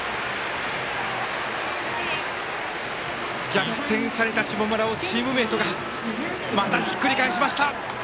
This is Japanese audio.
逆転された下村をチームメートがまたひっくり返しました。